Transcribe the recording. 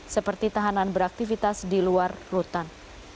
seperti tahanan beraktivitas di luar rutan